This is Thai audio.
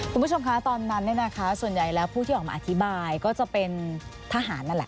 คุณผู้ชมคะตอนนั้นเนี่ยนะคะส่วนใหญ่แล้วผู้ที่ออกมาอธิบายก็จะเป็นทหารนั่นแหละ